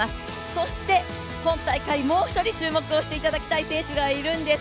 そして今大会もう１人注目してほしい選手がいるんです。